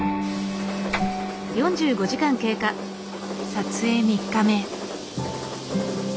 撮影３日目。